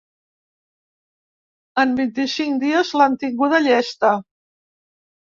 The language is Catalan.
En vint-i-cinc dies l’han tinguda llesta.